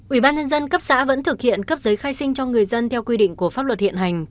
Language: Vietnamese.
ủy ban nhân dân cấp xã vẫn thực hiện cấp giấy khai sinh cho người dân theo quy định của pháp luật hiện hành